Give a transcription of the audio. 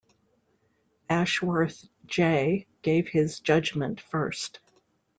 Ashworth J gave his judgment first.